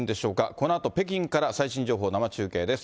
このあと北京から最新情報、生中継です。